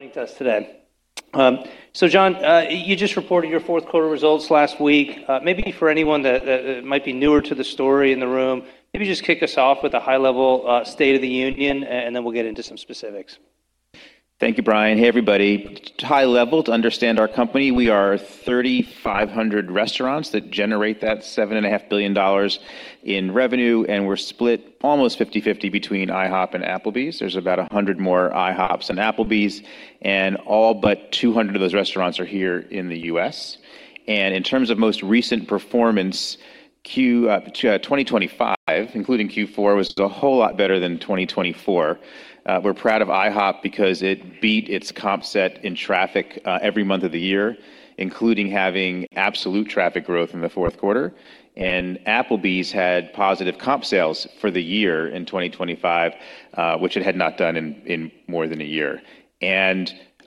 Thank you to us today. John, you just reported your fourth quarter results last week. Maybe for anyone that might be newer to the story in the room, maybe just kick us off with a high-level state of the union and then we'll get into some specifics. Thank you, Brian. Hey, everybody. To high level, to understand our company, we are 3,500 restaurants that generate that $7.5 billion in revenue, we're split almost 50/50 between IHOP and Applebee's. There's about 100 more IHOPs than Applebee's, all but 200 of those restaurants are here in the U.S. In terms of most recent performance, 2025, including Q4, was a whole lot better than 2024. We're proud of IHOP because it beat its comp set in traffic every month of the year, including having absolute traffic growth in the fourth quarter. Applebee's had positive comp sales for the year in 2025, which it had not done in more than a year.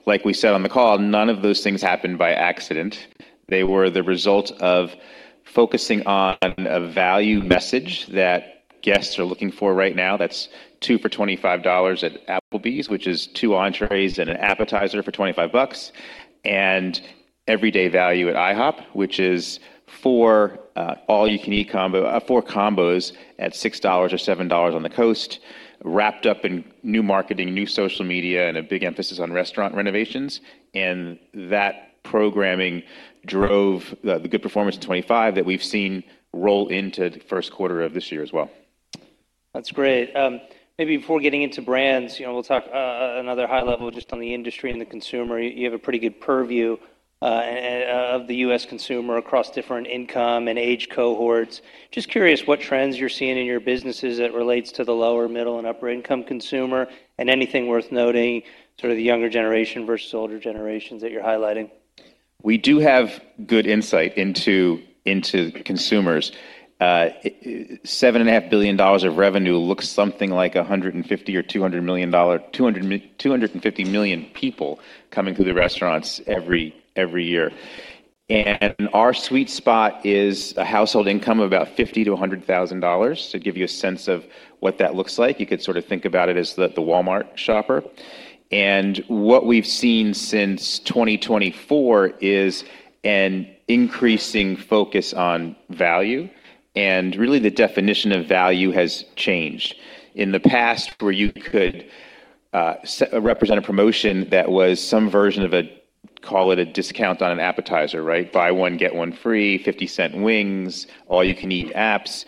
Like we said on the call, none of those things happened by accident. They were the result of focusing on a value message that guests are looking for right now. That's 2 for $25 at Applebee's, which is 2 entrées and an appetizer for $25, and everyday value at IHOP, which is four combos at $6 or $7 on the coast, wrapped up in new marketing, new social media, and a big emphasis on restaurant renovations. That programming drove the good performance in 2023 that we've seen roll into the first quarter of this year as well. That's great. Maybe before getting into brands, you know, we'll talk another high level just on the industry and the consumer. You have a pretty good purview of the U.S. consumer across different income and age cohorts. Just curious what trends you're seeing in your businesses that relates to the lower, middle, and upper income consumer and anything worth noting, sort of the younger generation versus older generations that you're highlighting? We do have good insight into consumers. $7.5 billion of revenue looks something like 150 million or 250 million people coming through the restaurants every year. Our sweet spot is a household income of about $50,000-$100,000. To give you a sense of what that looks like, you could sort of think about it as the Walmart shopper. What we've seen since 2024 is an increasing focus on value, and really the definition of value has changed. In the past, where you could represent a promotion that was some version of a, call it a discount on an appetizer, right? Buy one, get one free, $0.50 wings, all-you-can-eat apps,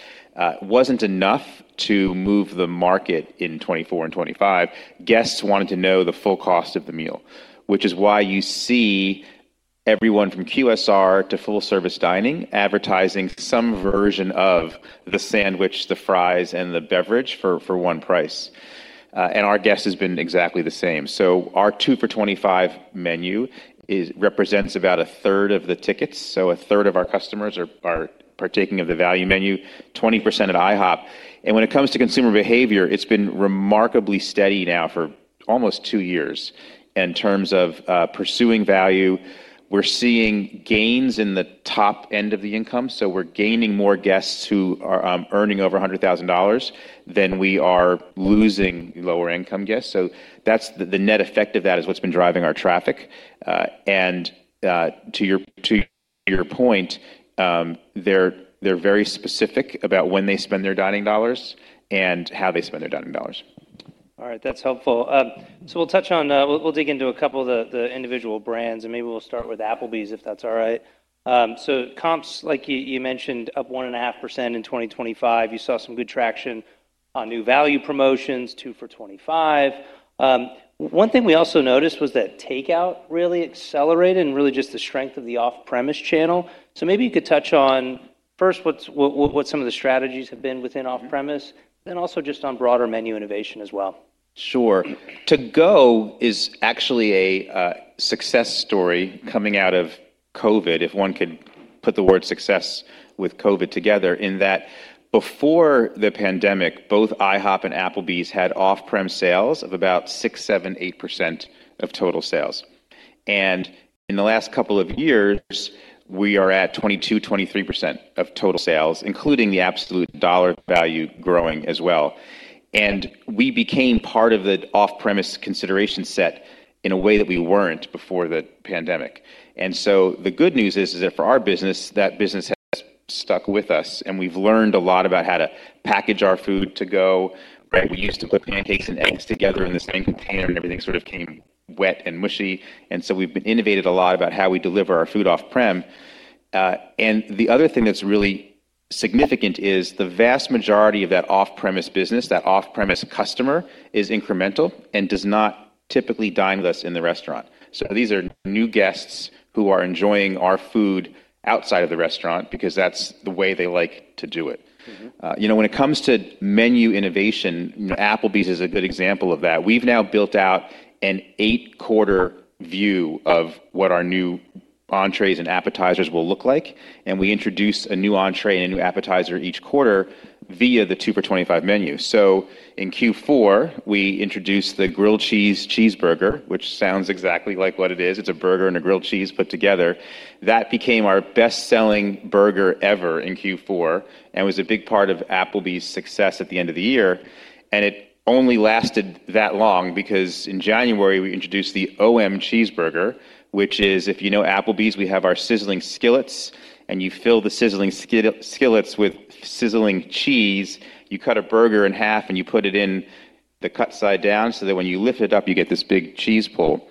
wasn't enough to move the market in 2024 and 2025. Guests wanted to know the full cost of the meal, which is why you see everyone from QSR to full-service dining advertising some version of the sandwich, the fries, and the beverage for one price. Our guest has been exactly the same. Our 2 for $25 menu represents about a third of the tickets. A third of our customers are partaking of the value menu, 20% at IHOP. When it comes to consumer behavior, it's been remarkably steady now for almost two years. In terms of pursuing value, we're seeing gains in the top end of the income. We're gaining more guests who are earning over $100,000 than we are losing lower income guests. That's the net effect of that is what's been driving our traffic. To your point, they're very specific about when they spend their dining dollars and how they spend their dining dollars. All right. That's helpful. We'll dig into a couple of the individual brands, and maybe we'll start with Applebee's, if that's all right. Comps, like you mentioned, up 1.5% in 2025. You saw some good traction on new value promotions, 2 for $25. One thing we also noticed was that takeout really accelerated and really just the strength of the off-premise channel. Maybe you could touch on first what some of the strategies have been within off-premise, then also just on broader menu innovation as well. Sure. To-go is actually a success story coming out of COVID, if one could put the word success with COVID together, in that before the pandemic, both IHOP and Applebee's had off-prem sales of about 6%, 7%, 8% of total sales. In the last couple of years, we are at 22%, 23% of total sales, including the absolute dollar value growing as well. We became part of the off-premise consideration set in a way that we weren't before the pandemic. The good news is that for our business, that business has stuck with us, and we've learned a lot about how to package our food to go. Right? We used to put pancakes and eggs together in the same container, and everything sort of came wet and mushy. We've innovated a lot about how we deliver our food off-prem. The other thing that's really significant is the vast majority of that off-premise business, that off-premise customer is incremental and does not typically dine with us in the restaurant. These are new guests who are enjoying our food outside of the restaurant because that's the way they like to do it. Mm-hmm. You know, when it comes to menu innovation, Applebee's is a good example of that. We've now built out an eight-quarter view of what our new entrées and appetizers will look like, and we introduce a new entrée and a new appetizer each quarter via the 2 for $25 menu. In Q4, we introduced the Grilled Cheese Cheeseburger, which sounds exactly like what it is. It's a burger and a grilled cheese put together. That became our best-selling burger ever in Q4 and was a big part of Applebee's success at the end of the year. It only lasted that long because in January, we introduced the O-M Cheeseburger, which is, if you know Applebee's, we have our Sizzlin' Skillets, and you fill the Sizzlin' Skillets with sizzling cheese. You cut a burger in half, and you put it in the cut side down so that when you lift it up, you get this big cheese pull.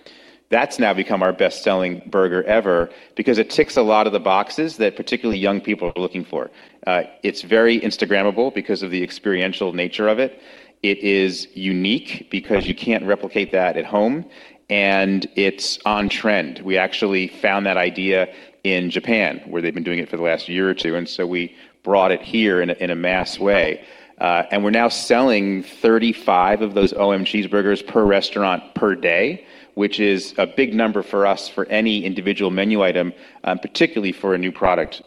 That's now become our best-selling burger ever because it ticks a lot of the boxes that particularly young people are looking for. It's very Instagrammable because of the experiential nature of it. It is unique because you can't replicate that at home, and it's on trend. We actually found that idea in Japan, where they've been doing it for the last year or two. We brought it here in a mass way. We're now selling 35 of those O-M Cheeseburgers per restaurant per day, which is a big number for us for any individual menu item, particularly for a new product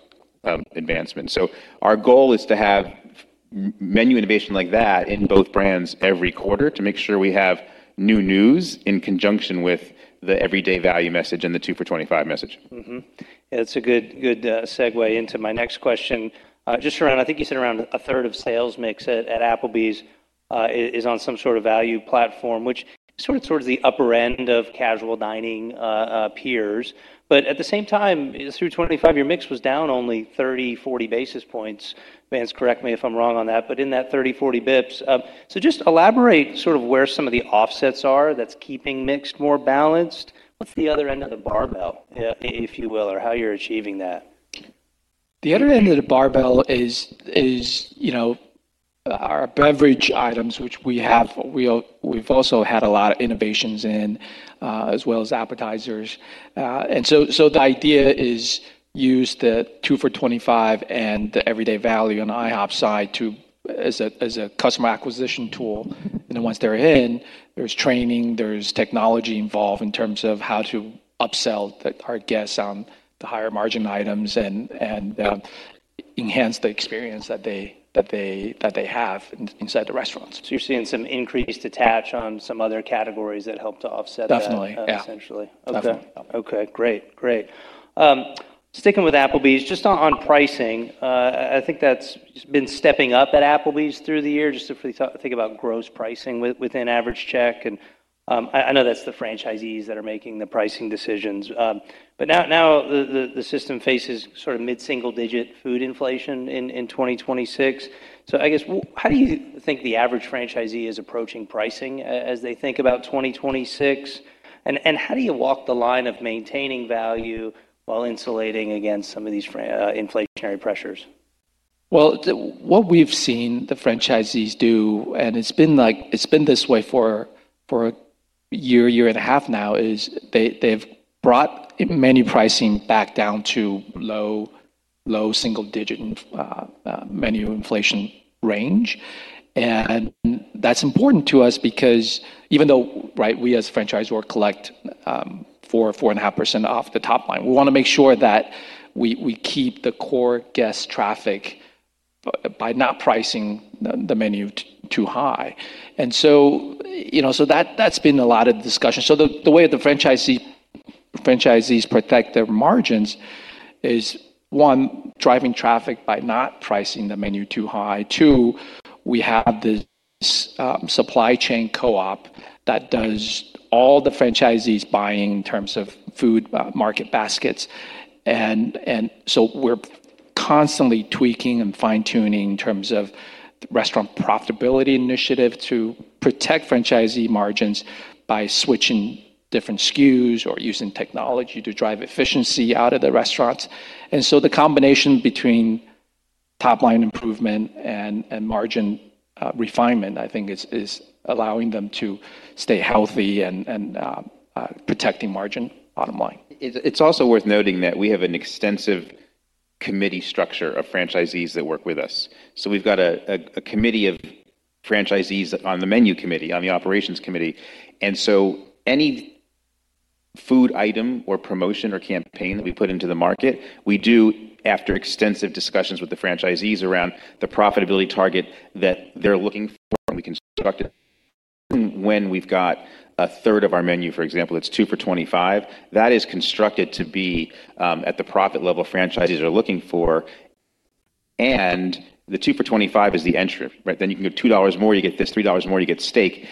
advancement. Our goal is to have menu innovation like that in both brands every quarter to make sure we have new news in conjunction with the everyday value message and the 2 for $25 message. Mm-hmm. It's a good segue into my next question. Just around, I think you said around a third of sales mix at Applebee's is on some sort of value platform, which is sort of towards the upper end of casual dining peers. At the same time, through 2025, your mix was down only 30, 40 basis points. Vance, correct me if I'm wrong on that, but in that 30, 40 basis points. Just elaborate sort of where some of the offsets are that's keeping mix more balanced. What's the other end of the barbell, if you will, or how you're achieving that? The other end of the barbell is, you know, our beverage items, which we've also had a lot of innovations in, as well as appetizers. So the idea is use the 2 for $25 and the everyday value on the IHOP side as a customer acquisition tool. Then once they're in, there's training, there's technology involved in terms of how to upsell our guests on the higher margin items and enhance the experience that they have inside the restaurants. you're seeing some increased attach on some other categories that help to offset that. Definitely, yeah. -essentially. Definitely. Okay. Okay, great. Great. Sticking with Applebee's, just on pricing, I think that's been stepping up at Applebee's through the year, just if we think about gross pricing within average check. I know that's the franchisees that are making the pricing decisions. Now the system faces sort of mid-single-digit food inflation in 2026. I guess how do you think the average franchisee is approaching pricing as they think about 2026? How do you walk the line of maintaining value while insulating against some of these inflationary pressures? Well, what we've seen the franchisees do, it's been like this way for a year, a year and a half now, is they've brought menu pricing back down to low single digit menu inflation range. That's important to us because even though, right, we as franchisor collect 4.5% off the top line, we wanna make sure that we keep the core guest traffic by not pricing the menu too high. You know, that's been a lot of discussion. The way the franchisees protect their margins is, one, driving traffic by not pricing the menu too high. Two, we have the supply chain co-op that does all the franchisees buying in terms of food, market baskets. We're constantly tweaking and fine-tuning in terms of restaurant profitability initiative to protect franchisee margins by switching different SKUs or using technology to drive efficiency out of the restaurants. The combination between top-line improvement and margin refinement, I think is allowing them to stay healthy and protecting margin bottom line. It's also worth noting that we have an extensive committee structure of franchisees that work with us. We've got a committee of franchisees on the menu committee, on the operations committee. Any food item or promotion or campaign that we put into the market, we do after extensive discussions with the franchisees around the profitability target that they're looking for, and we construct it. When we've got a third of our menu, for example, that's 2 for $25, that is constructed to be at the profit level franchisees are looking for. The 2 for $25 is the entry, right? You can give $2 more, you get this, $3 more, you get steak.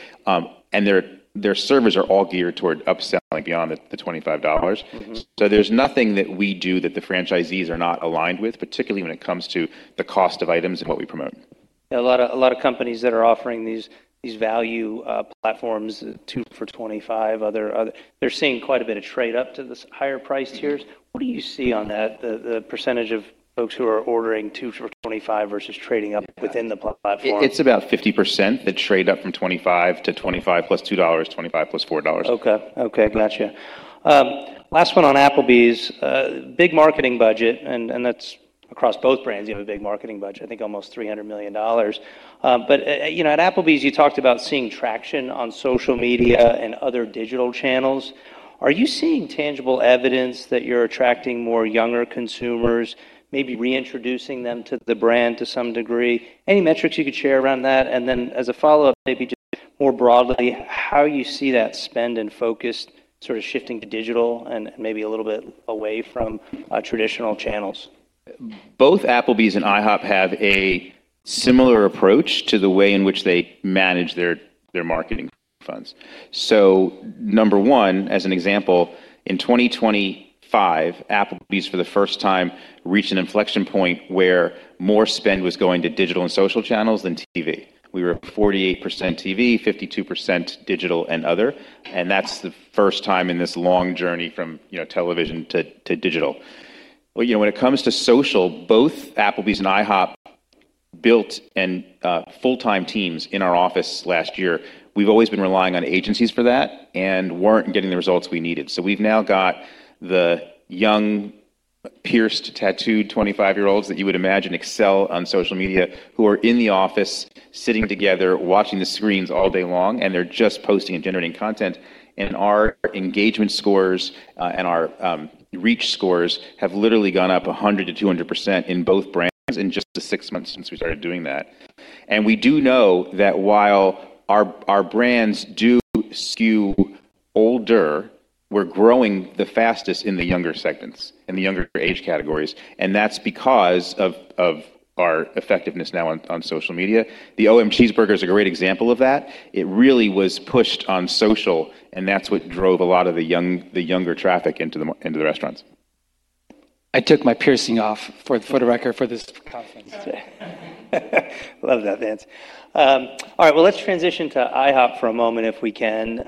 Their servers are all geared toward upselling beyond the $25. Mm-hmm. There's nothing that we do that the franchisees are not aligned with, particularly when it comes to the cost of items and what we promote. A lot of companies that are offering these value platforms, 2 for $25, other, they're seeing quite a bit of trade up to the higher price tiers. What do you see on that, the percentage of folks who are ordering 2 for $25 versus trading up within the platform? It's about 50% that trade up from 25 to 25 plus $2, 25 plus $4. Okay. Okay, gotcha. Last one on Applebee's. Big marketing budget, and that's across both brands. You have a big marketing budget, I think almost $300 million. You know, at Applebee's, you talked about seeing traction on social media and other digital channels. Are you seeing tangible evidence that you're attracting more younger consumers, maybe reintroducing them to the brand to some degree? Any metrics you could share around that? As a follow-up, maybe more broadly, how you see that spend and focus sort of shifting to digital and maybe a little bit away from traditional channels. Both Applebee's and IHOP have a similar approach to the way in which they manage their marketing funds. Number one, as an example, in 2025, Applebee's for the first time reached an inflection point where more spend was going to digital and social channels than TV. We were at 48% TV, 52% digital and other. That's the first time in this long journey from, you know, television to digital. You know, when it comes to social, both Applebee's and IHOP built and full-time teams in our office last year. We've always been relying on agencies for that and weren't getting the results we needed. We've now got the young pierced, tattooed 25-year-olds that you would imagine excel on social media who are in the office sitting together, watching the screens all day long, and they're just posting and generating content. Our engagement scores, and our reach scores have literally gone up 100%-200% in both brands in just the six months since we started doing that. We do know that while our brands do skew older, we're growing the fastest in the younger segments, in the younger age categories, and that's because of our effectiveness now on social media. The O-M Cheeseburger is a great example of that. It really was pushed on social, and that's what drove a lot of the younger traffic into the restaurants. I took my piercing off for the record for this conference today. Love that, Vance. All right, well, let's transition to IHOP for a moment if we can.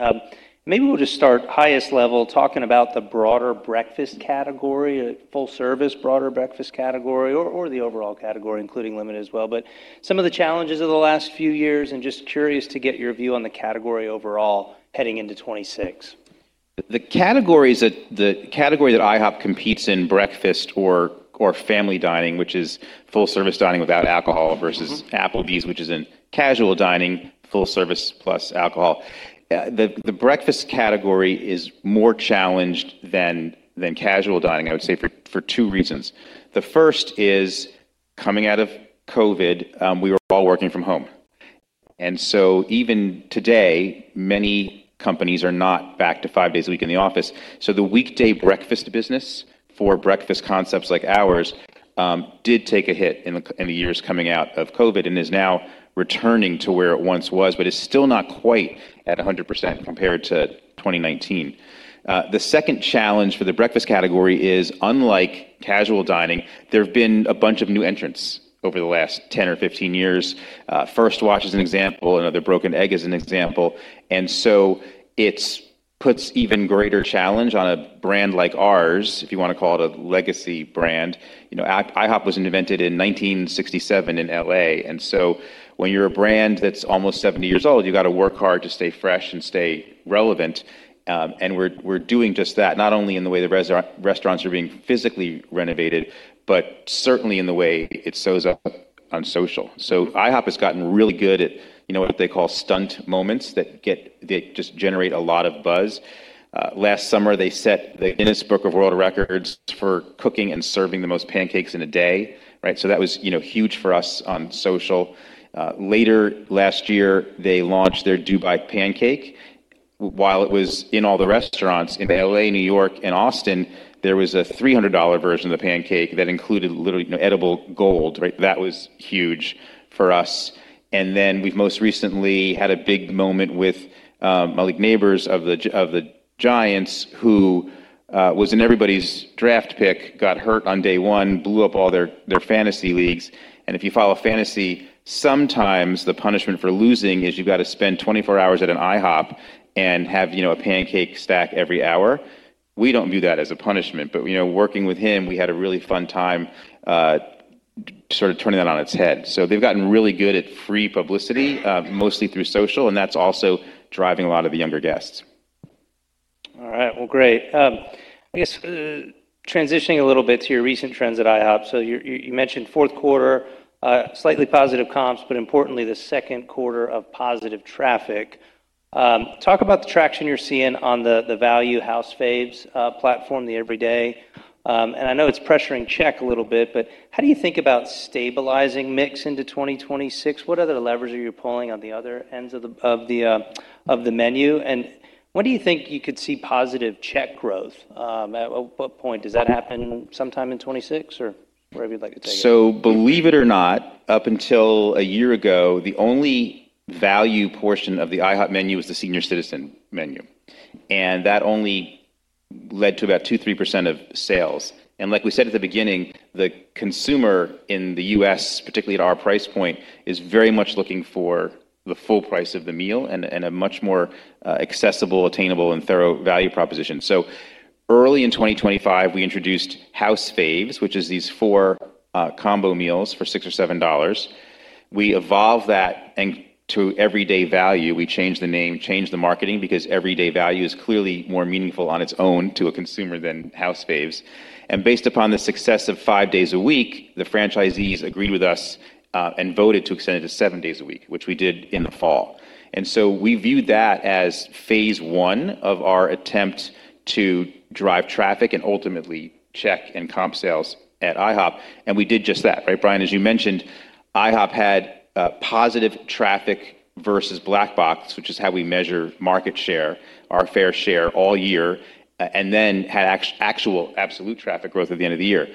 Maybe we'll just start highest level talking about the broader breakfast category, full service broader breakfast category or the overall category, including limited as well. Some of the challenges of the last few years and just curious to get your view on the category overall heading into 2026. The category that IHOP competes in breakfast or family dining, which is full-service dining without alcohol. Mm-hmm. -versus Applebee's, which is in casual dining, full service plus alcohol. The breakfast category is more challenged than casual dining, I would say for two reasons. The first is coming out of COVID, we were all working from home. Even today, many companies are not back to five days a week in the office. The weekday breakfast business for breakfast concepts like ours did take a hit in the years coming out of COVID and is now returning to where it once was, but it's still not quite at 100% compared to 2019. The second challenge for the breakfast category is, unlike casual dining, there have been a bunch of new entrants over the last 10 or 15 years. First Watch is an example. Another Broken Egg is an example. It's puts even greater challenge on a brand like ours, if you wanna call it a legacy brand. You know, IHOP was invented in 1967 in L.A. When you're a brand that's almost 70 years old, you gotta work hard to stay fresh and stay relevant. And we're doing just that, not only in the way the restaurants are being physically renovated, but certainly in the way it shows up on social. IHOP has gotten really good at, you know, what they call stunt moments that get they just generate a lot of buzz. Last summer, they set the Guinness Book of World Records for cooking and serving the most pancakes in a day, right? That was, you know, huge for us on social. Later last year, they launched their Dubai Pancake. While it was in all the restaurants in L.A., New York, and Austin, there was a $300 version of the pancake that included literally, you know, edible gold, right? That was huge for us. We've most recently had a big moment with Malik Nabers of the Giants who was in everybody's draft pick, got hurt on day one, blew up all their fantasy leagues. If you follow fantasy, sometimes the punishment for losing is you gotta spend 24 hours at an IHOP and have, you know, a pancake stack every hour. We don't view that as a punishment. You know, working with him, we had a really fun time sort of turning that on its head. They've gotten really good at free publicity, mostly through social, and that's also driving a lot of the younger guests. All right. Well, great. I guess transitioning a little bit to your recent trends at IHOP. You mentioned fourth quarter, slightly positive comps, but importantly, the second quarter of positive traffic. Talk about the traction you're seeing on the Value House Faves platform, the Everyday. I know it's pressuring check a little bit, but how do you think about stabilizing mix into 2026? What other levers are you pulling on the other ends of the menu? When do you think you could see positive check growth? At what point? Does that happen sometime in 2026 or wherever you'd like to take it? Believe it or not, up until a year ago, the only value portion of the IHOP menu was the senior citizen menu. That only led to about 2%-3% of sales. Like we said at the beginning, the consumer in the U.S., particularly at our price point, is very much looking for the full price of the meal and a much more accessible, attainable, and thorough value proposition. Early in 2025, we introduced House Faves, which is these four combo meals for $6 or $7. We evolved that and to Everyday Value. We changed the name, changed the marketing because Everyday Value is clearly more meaningful on its own to a consumer than House Faves. Based upon the success of five days a week, the franchisees agreed with us, and voted to extend it to seven days a week, which we did in the fall. We viewed that as phase one of our attempt to drive traffic and ultimately check and comp sales at IHOP, and we did just that, right? Brian, as you mentioned. IHOP had a positive traffic versus Black Box, which is how we measure market share, our fair share all year, and then had actual absolute traffic growth at the end of the year.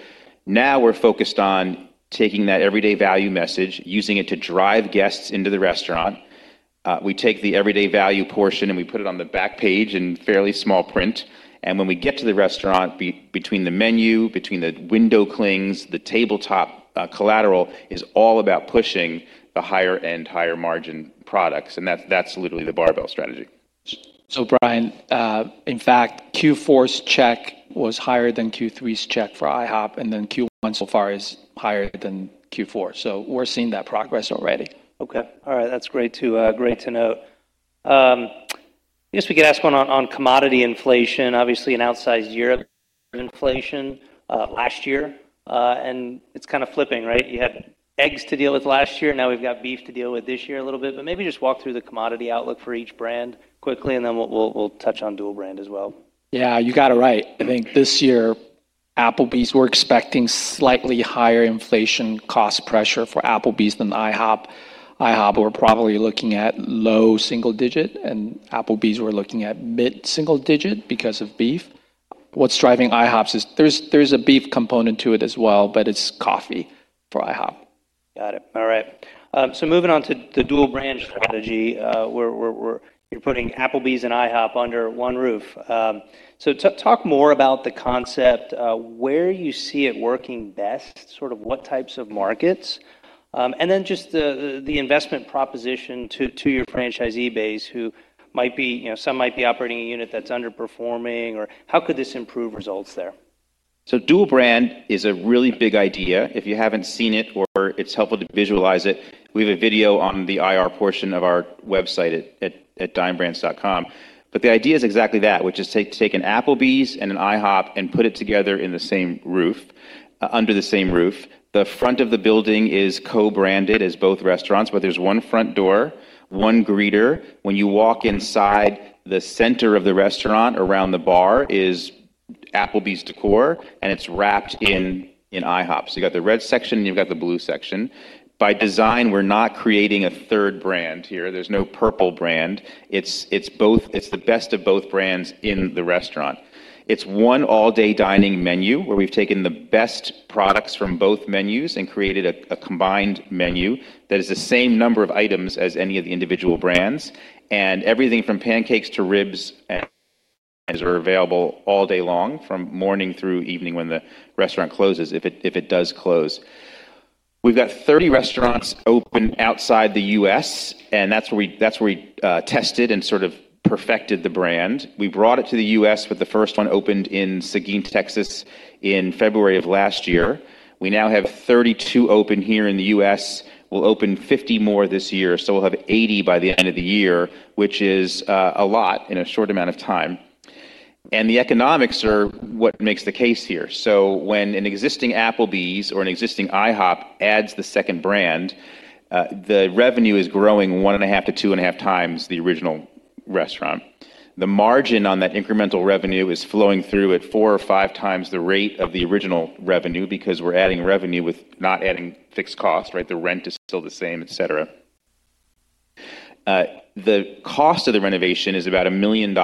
Now we're focused on taking that everyday value message, using it to drive guests into the restaurant. We take the everyday value portion, and we put it on the back page in fairly small print. When we get to the restaurant, between the menu, between the window clings, the tabletop, collateral is all about pushing the higher end, higher margin products, and that's literally the barbell strategy. Brian, in fact, Q4's check was higher than Q3's check for IHOP, and then Q1 so far is higher than Q4. We're seeing that progress already. Okay. All right. That's great to great to know. I guess we could ask one on commodity inflation. Obviously, an outsized year of inflation last year. It's kind of flipping, right? You had eggs to deal with last year. Now we've got beef to deal with this year a little bit. Maybe just walk through the commodity outlook for each brand quickly, and then we'll touch on dual brand as well. Yeah, you got it right. I think this year, Applebee's, we're expecting slightly higher inflation cost pressure for Applebee's than IHOP. IHOP, we're probably looking at low single digit, and Applebee's, we're looking at mid-single digit because of beef. What's driving IHOP's is there's a beef component to it as well, but it's coffee for IHOP. Got it. All right. Moving on to the dual brand strategy, where we're putting Applebee's and IHOP under one roof. Talk more about the concept, where you see it working best, sort of what types of markets, and then just the investment proposition to your franchisee base who might be, you know, some might be operating a unit that's underperforming or how could this improve results there? Dual brand is a really big idea. If you haven't seen it or it's helpful to visualize it, we have a video on the IR portion of our website at dinebrands.com. The idea is exactly that, which is take an Applebee's and an IHOP and put it together under the same roof. The front of the building is co-branded as both restaurants, but there's one front door, one greeter. When you walk inside the center of the restaurant around the bar is Applebee's decor, and it's wrapped in IHOP. You got the red section, and you've got the blue section. By design, we're not creating a third brand here. There's no purple brand. It's both. It's the best of both brands in the restaurant. It's one all-day dining menu where we've taken the best products from both menus and created a combined menu that is the same number of items as any of the individual brands. Everything from pancakes to ribs and are available all day long from morning through evening when the restaurant closes, if it does close. We've got 30 restaurants open outside the U.S., that's where we tested and sort of perfected the brand. We brought it to the U.S., with the first one opened in Seguin, Texas, in February of last year. We now have 32 open here in the U.S. We'll open 50 more this year. We'll have 80 by the end of the year, which is a lot in a short amount of time. The economics are what makes the case here. When an existing Applebee's or an existing IHOP adds the second brand, the revenue is growing 1.5x to 2.5x the original restaurant. The margin on that incremental revenue is flowing through at 4x or 5x the rate of the original revenue because we're adding revenue with not adding fixed costs, right? The rent is still the same, etc. The cost of the renovation is about $1 million.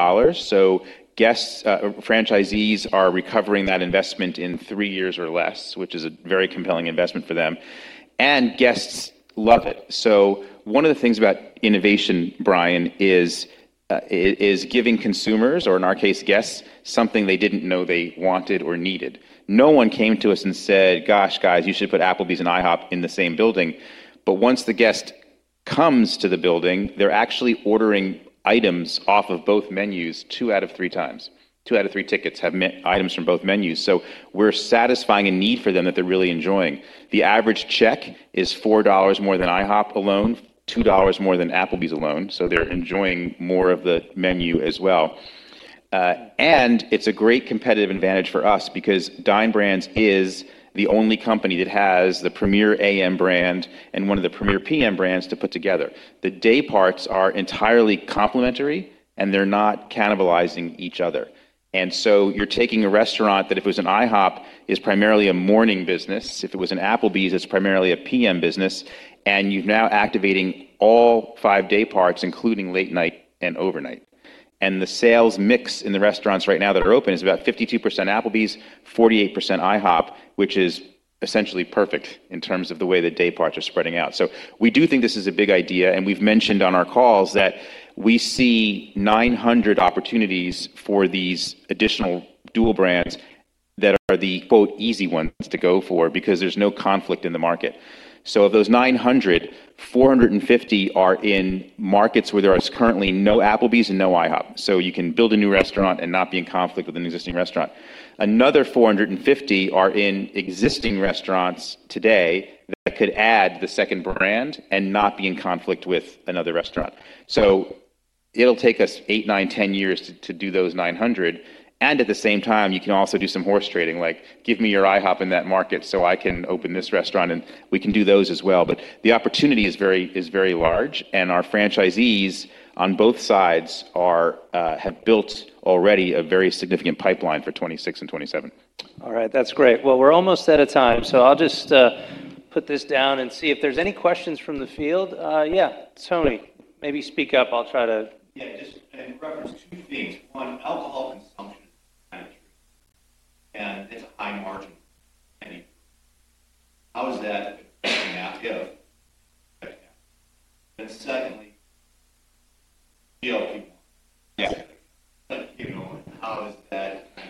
Guests, franchisees are recovering that investment in three years or less, which is a very compelling investment for them. Guests love it. One of the things about innovation, Brian, is giving consumers, or in our case, guests, something they didn't know they wanted or needed. No one came to us and said, "Gosh, guys, you should put Applebee's and IHOP in the same building." Once the guest comes to the building, they're actually ordering items off of both menus 2x out of 3x. Two out of three tickets have items from both menus. We're satisfying a need for them that they're really enjoying. The average check is $4 more than IHOP alone, $2 more than Applebee's alone, so they're enjoying more of the menu as well. It's a great competitive advantage for us because Dine Brands is the only company that has the premier AM brand and one of the premier PM brands to put together. The day parts are entirely complementary, and they're not cannibalizing each other. You're taking a restaurant that if it was an IHOP, is primarily a morning business. If it was an Applebee's, it's primarily a PM business, and you're now activating all five-day parts, including late night and overnight. The sales mix in the restaurants right now that are open is about 52% Applebee's, 48% IHOP, which is essentially perfect in terms of the way the day parts are spreading out. We do think this is a big idea, and we've mentioned on our calls that we see 900 opportunities for these additional dual brands that are the, quote, "easy ones" to go for because there's no conflict in the market. Of those 900, 450 are in markets where there is currently no Applebee's and no IHOP. You can build a new restaurant and not be in conflict with an existing restaurant. Another 450 are in existing restaurants today that could add the second brand and not be in conflict with another restaurant. It'll take us eight, nine, 10 years to do those 900, and at the same time, you can also do some horse trading, like give me your IHOP in that market, so I can open this restaurant, and we can do those as well. The opportunity is very large, and our franchisees on both sides are have built already a very significant pipeline for 2026 and 2027. All right. That's great. Well, we're almost out of time, so I'll just put this down and see if there's any questions from the field. Yeah, Tony, maybe speak up. Yeah, just in reference to two things. One, alcohol consumption management and its high margin. How is that affecting Applebee's? Secondly, GLP-1, how is that kind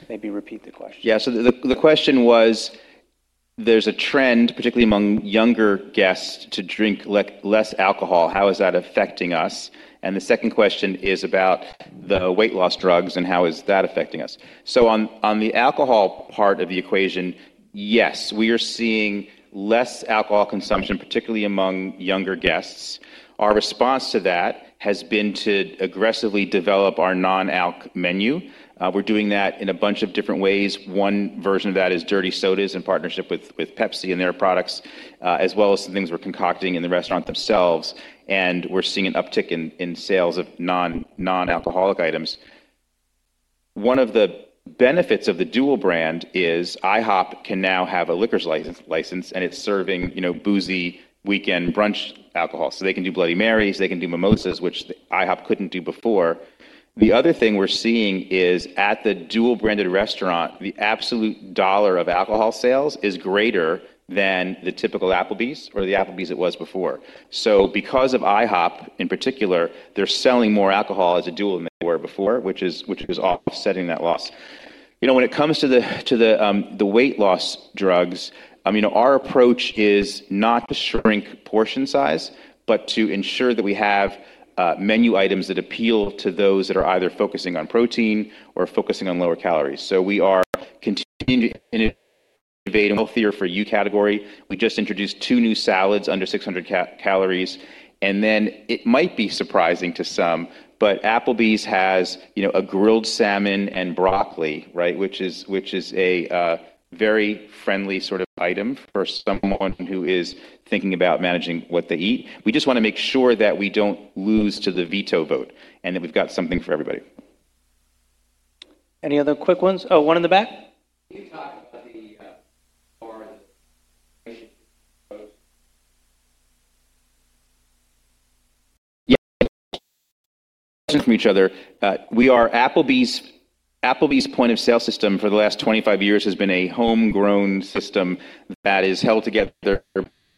of. Maybe repeat the question. Yeah. The question was there's a trend, particularly among younger guests to drink less alcohol. How is that affecting us? The second question is about the weight loss drugs and how is that affecting us. On the alcohol part of the equation, yes, we are seeing less alcohol consumption, particularly among younger guests. Our response to that has been to aggressively develop our non-alc menu. We're doing that in a bunch of different ways. One version of that is Dirty Sodas in partnership with Pepsi and their products, as well as some things we're concocting in the restaurant themselves. We're seeing an uptick in sales of non-alcoholic items. One of the benefits of the dual brand is IHOP can now have a liquor license, and it's serving, you know, boozy weekend brunch alcohol. They can do Bloody Marys, they can do mimosas, which IHOP couldn't do before. The other thing we're seeing is at the dual-branded restaurant, the absolute dollar of alcohol sales is greater than the typical Applebee's or the Applebee's it was before. Because of IHOP in particular, they're selling more alcohol as a dual than they were before, which is offsetting that loss. You know, when it comes to the weight loss drugs, I mean, our approach is not to shrink portion size, but to ensure that we have menu items that appeal to those that are either focusing on protein or focusing on lower calories. We are continuing to innovate healthier for you category. We just introduced two new salads under 600 calories. It might be surprising to some, but Applebee's has, you know, a grilled salmon and broccoli, right? Which is a very friendly sort of item for someone who is thinking about managing what they eat. We just wanna make sure that we don't lose to the veto vote and that we've got something for everybody. Any other quick ones? Oh, one in the back. Can you talk about the foreign Yeah. From each other. We are Applebee's point-of-sale system for the last 25 years has been a homegrown system that is held together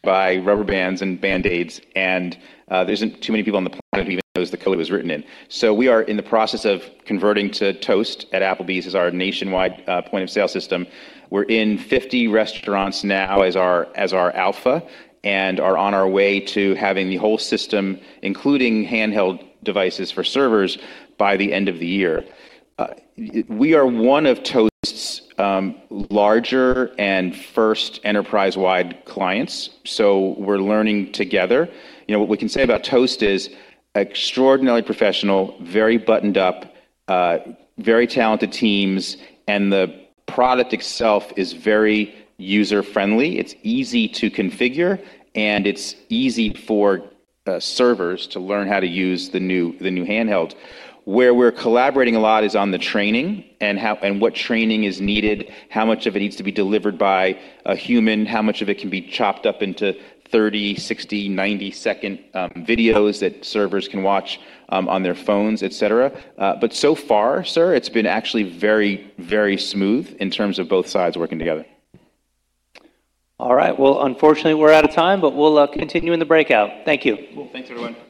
by rubber bands and Band-Aids. There isn't too many people on the planet who even knows the code it was written in. We are in the process of converting to Toast at Applebee's as our nationwide point-of-sale system. We're in 50 restaurants now as our alpha and are on our way to having the whole system, including handheld devices for servers by the end of the year. We are one of Toast's larger and first enterprise-wide clients, so we're learning together. You know, what we can say about Toast is extraordinarily professional, very buttoned up, very talented teams, and the product itself is very user-friendly. It's easy to configure, and it's easy for servers to learn how to use the new handheld. Where we're collaborating a lot is on the training and what training is needed, how much of it needs to be delivered by a human, how much of it can be chopped up into 30, 60, 90-second videos that servers can watch on their phones, etc. So far, sir, it's been actually very smooth in terms of both sides working together. All right. Well, unfortunately, we're out of time, but we'll continue in the breakout. Thank you. Cool. Thanks, everyone.